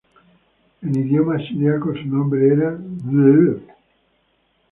En idioma siríaco, su nombre era ܣܪܓܘܢ.